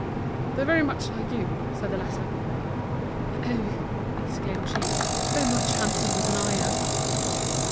"They're very much like you," said the latter. "Oh!" exclaimed she, "they're much handsomer than I am!"